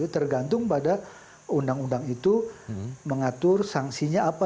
tergantung pada undang undang itu mengatur sanksinya apa